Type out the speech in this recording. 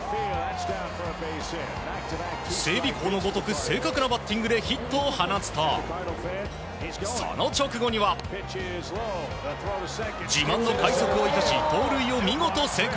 整備工のごとく正確なバッティングでヒットを放つと、その直後には自慢の快足を生かし盗塁を見事成功。